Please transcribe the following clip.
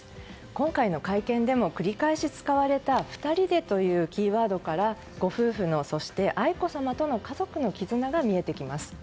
今回の会見でも繰り返し使われた２人でというキーワードからご夫婦の、そして愛子さまとの家族の絆が見えてきます。